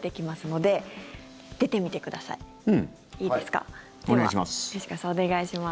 では、吉川さんお願いします。